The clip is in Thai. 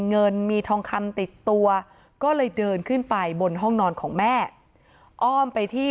เงินมีทองคำติดตัวก็เลยเดินขึ้นไปบนห้องนอนของแม่อ้อมไปที่